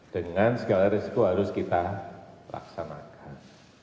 dengan segala risiko harus kita laksanakan